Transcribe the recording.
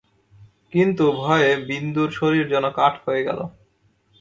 কিন্তু, ভয়ে বিন্দুর শরীর যেন কাঠ হয়ে গেল।